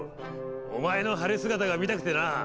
お前の晴れ姿が見たくてなぁ。